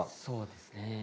そうですね。